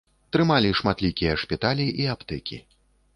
Трымалі шматлікія шпіталі і аптэкі.